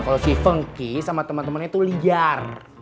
kalau si fengki sama temen temennya tuh liar